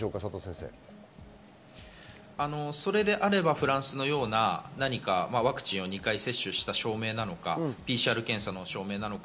それであればフランスのようなワクチンを２回接種した証明なのか、ＰＣＲ検査の証明なのか。